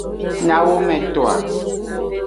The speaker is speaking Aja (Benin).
Nyawometoa.